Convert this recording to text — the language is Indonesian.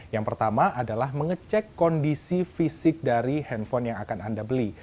yang pertama adalah mengecek kondisi fisik dari handphone yang akan anda beli